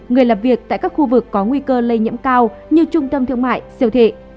người làm việc tại các khu vực có nguy cơ lây nhiễm cao như trung tâm thương mại siêu thị